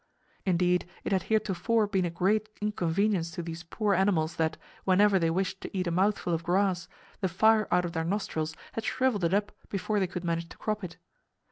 Indeed, it had heretofore been a great inconvenience to these poor animals that, whenever they wished to eat a mouthful of grass, the fire out of their nostrils had shriveled it up before they could manage to crop it.